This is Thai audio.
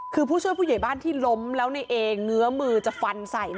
คือผู้ช่วยผู้ใหญ่บ้านที่ล้มแล้วในเอเงื้อมือจะฟันใส่